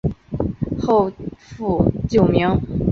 后复旧名。